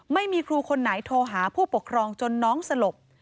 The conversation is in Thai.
ไม่มีครูคนไหนโทรหาผู้ปกครองจนน้องสลบ